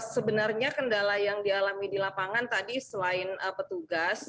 sebenarnya kendala yang dialami di lapangan tadi selain petugas